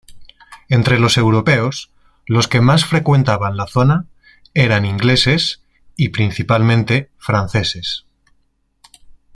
Entre los europeos, los que más frecuentaban la zona eran ingleses y, principalmente, franceses.